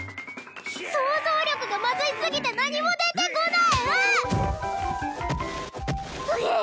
想像力が貧しすぎて何も出てこないわっ